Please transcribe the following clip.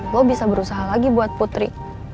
lo bisa berusaha lagi buat putri